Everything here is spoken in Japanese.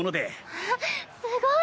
あっすごい。